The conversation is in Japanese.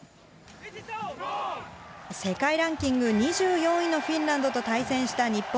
世界ランキング２４位のフィンランドと対戦した日本。